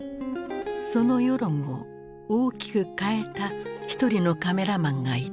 その世論を大きく変えた一人のカメラマンがいた。